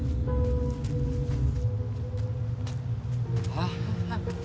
ああ。